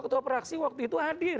ketua praksi waktu itu hadir